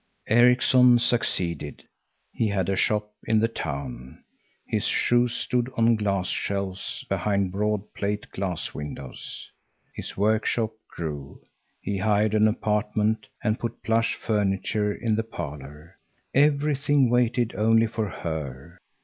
Erikson succeeded. He had a shop in the town. His shoes stood on glass shelves behind broad plate glass windows. His workshop grew. He hired an apartment and put plush furniture in the parlor. Everything waited only for her.